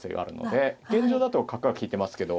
現状だと角が利いてますけど。